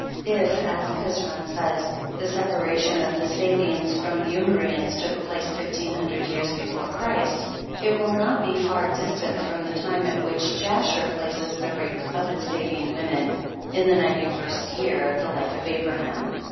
If as Pizron says, the sepa ration of the Sabines from the Umbrians took place 1500 years before Christ, it will not be far distant from the time at which Jasher places the rape of the Sabine women, in the 91st year of the life of Abraham.